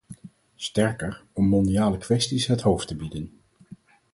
Sterker om mondiale kwesties het hoofd te bieden.